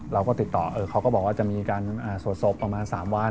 เราก็ติดต่อเขาก็บอกว่าจะมีการสวดศพประมาณ๓วัน